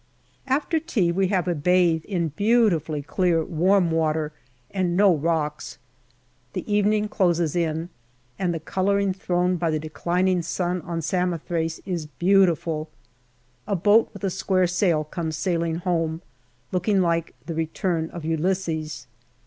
After tea, we have a bathe in beautifully clear, warm water, and no rocks. The evening closes in, and the colouring thrown by the declining sun on Samothrace is beautiful. A boat with a square sail comes sailing home, looking like " the return of Ulysses."